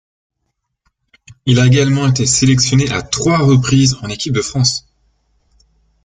Il a également été sélectionné à trois reprises en équipe de France.